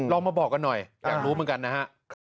มาบอกกันหน่อยอยากรู้เหมือนกันนะฮะ